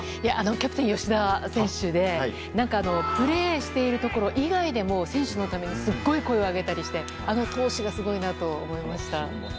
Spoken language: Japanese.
キャプテン、吉田選手でプレーしているところ以外でも選手のためにすごい声をあげたりしてあの闘志がすごいなと思いました。